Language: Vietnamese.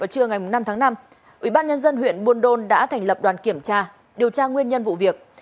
trưa ngày năm tháng năm ubnd huyện buôn đôn đã thành lập đoàn kiểm tra điều tra nguyên nhân vụ việc